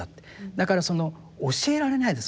だからその教えられないです